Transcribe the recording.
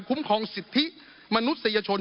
คุ้มคลองสิทธิมนุษยชน